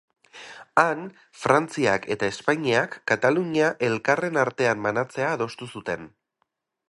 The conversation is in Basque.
Han, Frantziak eta Espainiak Katalunia elkarren artean banatzea adostu zuten.